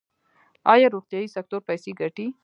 آیا روغتیايي سکتور پیسې ګټي؟